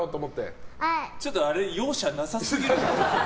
ちょっとあれ容赦なさすぎるぞ。